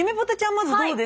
まずどうですか？